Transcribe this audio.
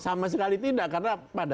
sama sekali tidak karena pada